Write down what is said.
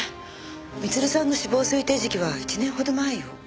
光留さんの死亡推定時期は１年ほど前よ。